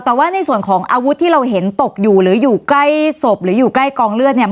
แต่ว่าในส่วนของอาวุธที่เราเห็นตกอยู่หรืออยู่ใกล้ศพหรืออยู่ใกล้กองเลือดเนี่ย